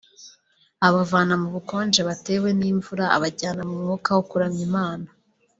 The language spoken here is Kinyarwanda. abavana mu bukonje batewe n'imvura abajyana mu Mwuka wo kuramya Imana